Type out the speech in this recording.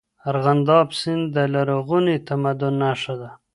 ارغنداب سیند د لرغوني تمدن نښه ده.